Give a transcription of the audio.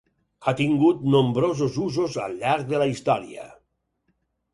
Ha tingut nombrosos usos al llarg de la història.